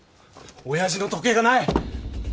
親父の時計がない！